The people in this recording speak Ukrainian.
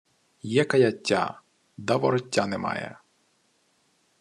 Є каяття, да вороття немає.